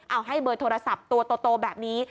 เอาให้เบอร์โทรศัพท์ตัวโตแบบนี้